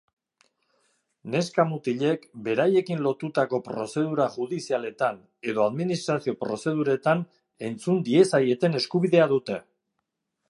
Neska-mutilek beraiekin lotutako prozedura judizialetan edo administrazio prozeduretan entzun diezaieten eskubidea dute.